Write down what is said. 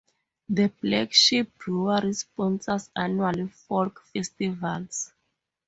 The Black Sheep Brewery sponsors annual folk festivals.